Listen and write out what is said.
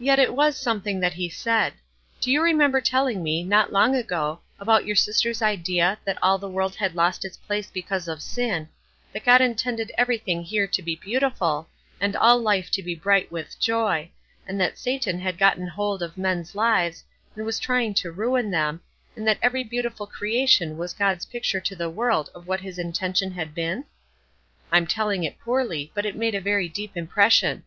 "Yet it was something that he said. Do you remember telling me, not long ago, about your sister's idea that all the world had lost its place because of sin; that God intended everything here to be beautiful, and all life to be bright with joy, and that Satan had gotten hold of men's lives, and was trying to ruin them, and that every beautiful creation was God's picture to the world of what his intention had been? I'm telling it poorly; but it made a very deep impression.